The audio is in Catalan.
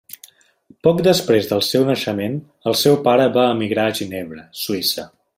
Poc després del seu naixement, el seu pare va emigrar a Ginebra, Suïssa.